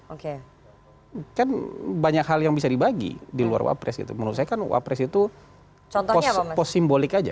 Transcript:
oke kan banyak hal yang bisa dibagi di luar wapres gitu menurut saya kan wapres itu pos simbolik aja